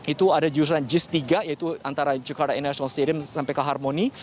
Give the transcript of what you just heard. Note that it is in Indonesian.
itu ada jurusan jis tiga yaitu antara jakarta international stadium sampai ke harmoni